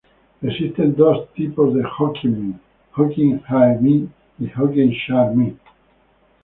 Existen dos tipos de hokkien mee: hokkien hae mee y hokkien char mee.